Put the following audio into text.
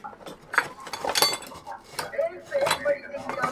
مېږي خور که شرمښکۍ ده که مرغان دي؛